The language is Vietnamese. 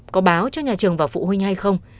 có báo cho nhà trường và phụ huynh hay không